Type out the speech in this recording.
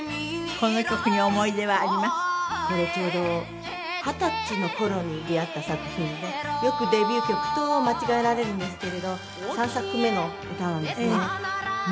これちょうど二十歳の頃に出会った作品でよくデビュー曲と間違えられるんですけれど３作目の歌なんですね。